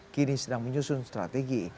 kini sedang menyusun strategi